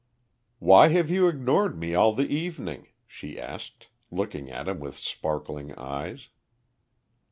"Why have you ignored me all the evening?" she asked, looking at him with sparkling eyes.